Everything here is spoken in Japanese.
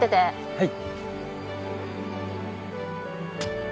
はい。